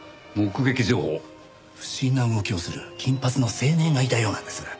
不審な動きをする金髪の青年がいたようなんです。